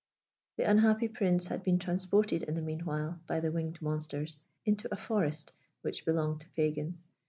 That unhappy Prince had been transported in the meanwhile, by the winged monsters, into a forest which belonged to Pagan.